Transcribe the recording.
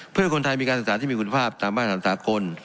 เพื่อให้คนไทยมีการศึกษาที่มีคุณภาพตามมาตรฐานสากล